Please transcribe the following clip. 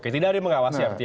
tidak ada yang mengawasi